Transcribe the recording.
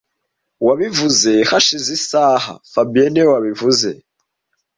Wabivuze hashize isaha fabien niwe wabivuze